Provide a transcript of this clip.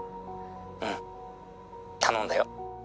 「うん頼んだよ」